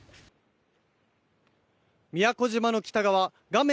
宮古島の北側画面